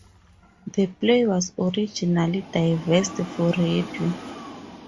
The play was originally devised for radio.